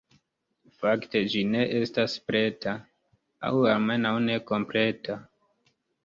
Fakte ĝi ne estas preta, aŭ almenaŭ ne kompleta.